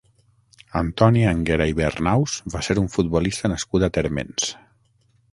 Antoni Anguera i Bernaus va ser un futbolista nascut a Térmens.